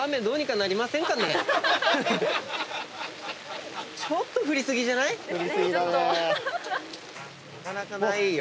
なかなかないよ